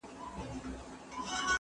زه بايد پلان جوړ کړم!.